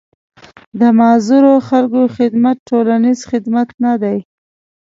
د معذورو خلکو خدمت ټولنيز خدمت نه دی.